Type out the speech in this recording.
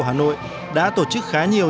hà nội đã tổ chức khá nhiều